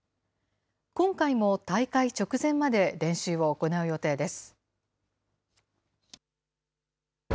今回も大会直前まで練習を行う予定です。